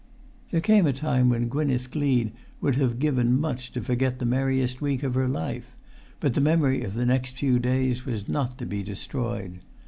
There came a time when Gwynneth Gleed would have given much to forget the merriest week of her life, but the memory of the next few days was not to be destroyed.